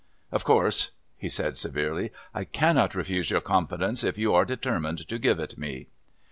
"Of course," he said severely, "I cannot refuse your confidence if you are determined to give it me."